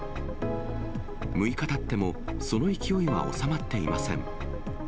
６日たってもその勢いは収まっていません。